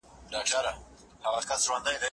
زه اوږده وخت مېوې راټولوم وم؟